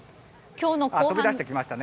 飛び出してきましたね